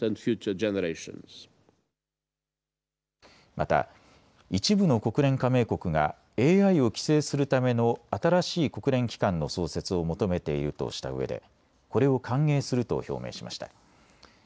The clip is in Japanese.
また一部の国連加盟国がＡＩを規制するための新しい国連機関の創設を求めているとしたうえでこれを歓迎すると表明しました。